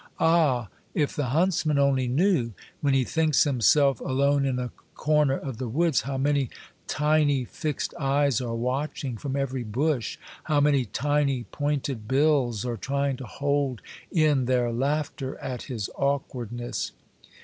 Ah ! if the huntsman only knew, when he thinks himself alone in a corner of the woods, how many tiny, fixed eyes are watching from every bush, how many tiny, pointed bills are trying to hold in their laughter at his awkwardness